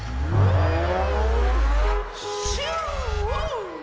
シュー！